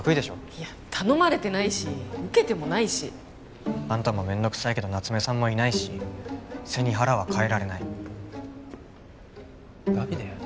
いや頼まれてないし受けてもないしあんたもめんどくさいけど夏目さんもいないし背に腹は代えられないダビデ？